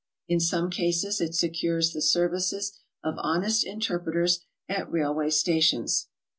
In some cases it secures the services of honest interpreters at railway stations.